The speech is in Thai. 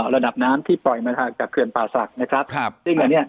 ระดับน้ำที่ปล่อยมาจากเขื่อนป่าศักดิ์นะครับครับซึ่งอันเนี้ย